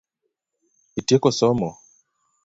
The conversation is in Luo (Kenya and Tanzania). Itieko somo?